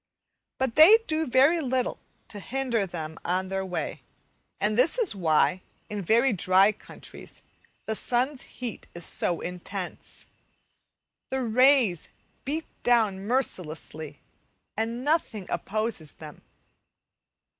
But they do very little to hinder them on their way, and this is why in very dry countries the sun's heat is so intense. The rays beat down mercilessly, and nothing opposes them.